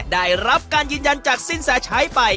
ได้รับการยืนยันจากสินแสชัยไป